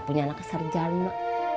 punya anak serjana